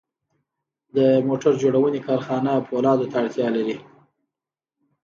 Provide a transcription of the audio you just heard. د موټر جوړونې کارخانه پولادو ته اړتیا لري